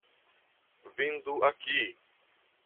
Vindo aqui